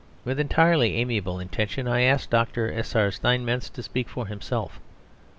With entirely amiable intention, I ask Dr. S.R. Steinmetz to speak for himself.